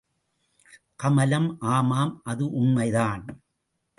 கமலம் ஆமாம் அது உண்மைதான்.